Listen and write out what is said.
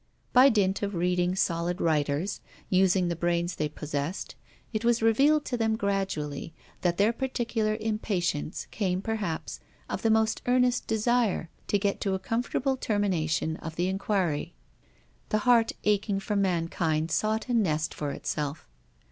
By dint of reading solid writers, using the brains they possessed, it was revealed to them gradually that their particular impatience came perhaps of the most earnest desire to get to a comfortable termination of the inquiry: the heart aching for mankind sought a nest for itself.